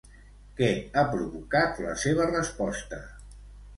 Què ha provocat la seva resposta?